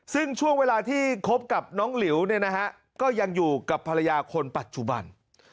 ซึ่งช่วงเวลาที่คบกับน้องหลิวเนี่ยนะฮะก็ยังอยู่กับภรรยาคนปัจจุบัน